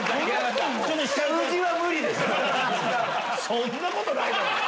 そんなことないだろ！